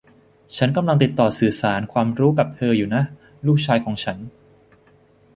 ฉันกำลังติดต่อสื่อสารความรู้กับเธออยู่นะ ลูกชายของฉัน